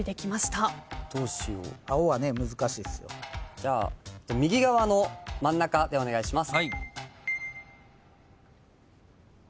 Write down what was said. じゃあ右側の真ん中でお願いします。